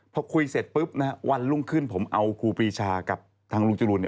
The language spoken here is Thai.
พอคุยเสร็จปุ๊บวันรุ่งขึ้นผมเอาครูปีชากับทางลุงจรูน